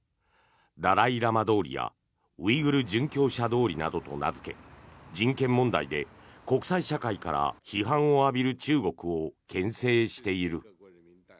ダライ・ラマ通りやウイグル殉教者通りなどと名付け人権問題で国際社会から批判を浴びる中国をけん制している。